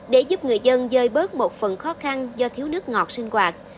để giúp người dân dơi bớt một phần khó khăn do thiếu nước ngọt sinh hoạt